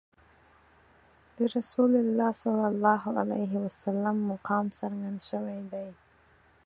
د رسول الله صلی الله علیه وسلم مقام څرګند شوی دی.